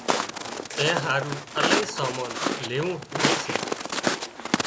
اين هارُو الاهي سامان ليوون هوئي سي